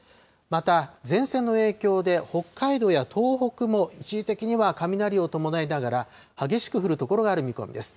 また前線の影響で、北海道や東北も一時的には雷を伴いながら、激しく降る所がある見込みです。